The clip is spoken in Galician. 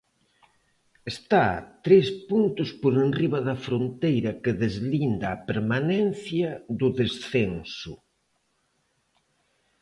Está tres puntos por enriba da fronteira que deslinda a permanencia do descenso.